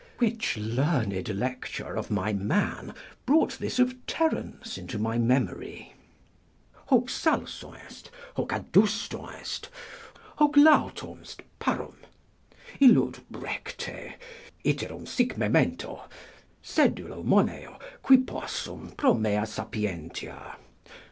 Which learned lecture of my man brought this of Terence into my memory: "Hoc salsum est, hoc adustum est, hoc lautum est, parum: Illud recte: iterum sic memento: sedulo Moneo, qux possum, pro mea sapientia.